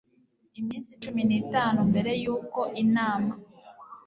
iminsi cumi n itanu mbere y uko inama